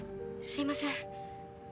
すいません。